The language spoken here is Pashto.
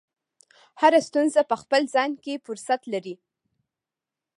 هره ستونزه په خپل ځان کې فرصت لري.